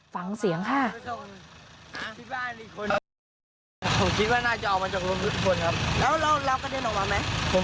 ฟังเสียงค่ะ